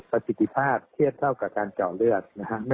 ประสิทธิภาพเคลียดเข้ากับการเจาะเลือด